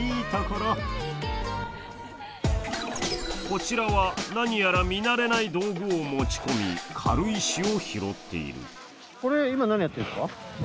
こちらは何やら見慣れない道具を持ち込み軽石を拾っている。